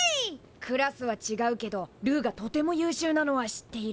クラスはちがうけどルーがとても優秀なのは知っている。